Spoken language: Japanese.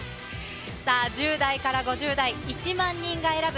１０代から５０代、１万人が選ぶ！